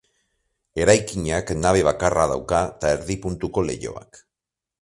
Eraikinak nabe bakarra dauka eta erdi puntuko leihoak.